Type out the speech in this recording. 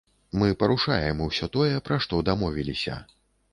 Мы парушаем усё тое, пра што дамовіліся.